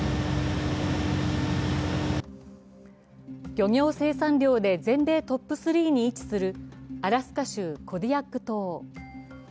漁業生産量で全米トップ３に位置するアラスカ州コディアック島。